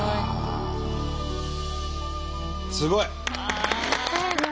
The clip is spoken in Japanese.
すごい！